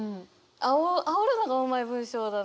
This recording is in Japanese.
あおるのがうまい文章だな。